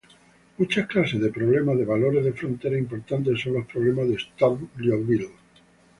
Muchas clases de problemas de valores de frontera importantes son los problemas de Sturm-Liouville.